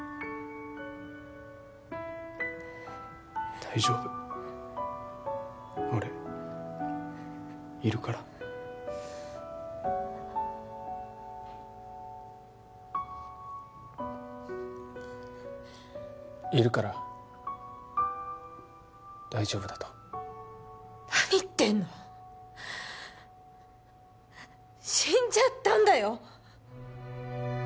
大丈夫俺いるからいるから大丈夫だと何言ってんの死んじゃったんだよ